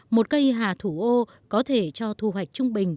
một cây hà thủ ô có thể cho thu hoạch trung bình một mươi kg củ